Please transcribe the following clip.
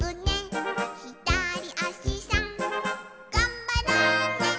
「ひだりあしさんがんばろうね」